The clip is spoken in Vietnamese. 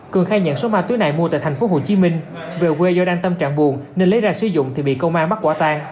cường khai nhận số ma túy này mua tại thành phố hồ chí minh về quê do đang tâm trạng buồn nên lấy ra sử dụng thì bị công an bắt quả tàn